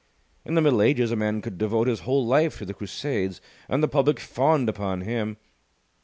In the Middle Ages a man could devote his whole life to the Crusades, and the public fawned upon him.